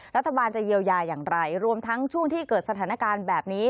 รัฐบาลจะเยียวยาอย่างไรรวมทั้งช่วงที่เกิดสถานการณ์แบบนี้